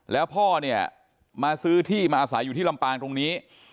แล้วพ่อเนี่ยมาซื้อที่มาอาศัยอยู่ที่ลำปางตรงนี้